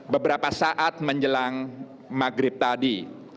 beberapa saat menjelang maghrib tadi